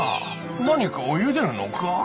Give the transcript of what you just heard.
何かをゆでるのか？